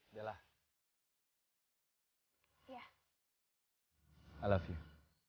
bahwa andatab adalah suatu oneng